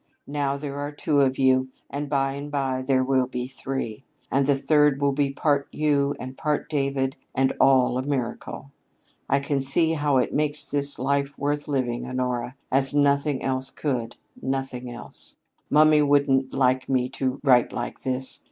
Now there are two of you and by and by there will be three, and the third will be part you and part David and all a miracle. I can see how it makes life worth living, Honora, as nothing else could nothing else! "Mummy wouldn't like me to write like this.